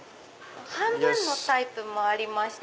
半分のタイプもありまして。